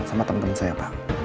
sama teman teman saya pak